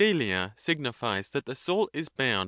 eiAia signifies that the soul is bound S(i\Ca.